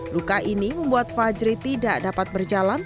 luka ini membuat fajri tidak dapat berjalan